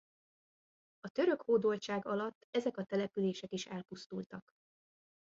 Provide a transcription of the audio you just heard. A török hódoltság alatt ezek a települések is elpusztultak.